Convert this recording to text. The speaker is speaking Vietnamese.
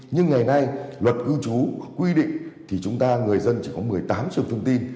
nhưng ngày nay luật cư trú quy định thì chúng ta người dân chỉ có một mươi tám trường thông tin